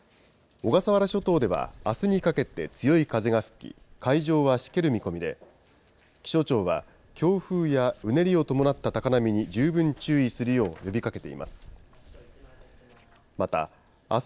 小笠原諸島ではあすにかけて強い風が吹き、海上はしける見込みで、気象庁は、強風やうねりを伴った高波に十分注意するよう呼びかけています。